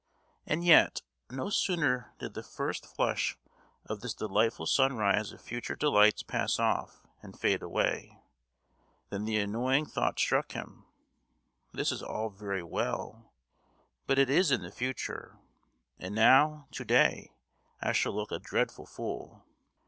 —and yet, no sooner did the first flush of this delightful sunrise of future delights pass off and fade away, than the annoying thought struck him: this is all very well, but it is in the future: and now, to day, I shall look a dreadful fool.